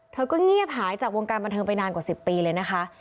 เธอก็เงียบหายจากวงการบันเทิงไปนานกว่า๑๐ปีเลยนะคะ